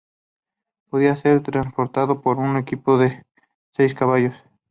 Podía ser transportado por un equipo de seis caballos.